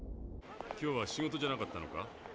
今日は仕事じゃなかったのか？